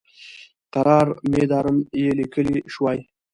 قرار میدارم یې لیکلی شوای.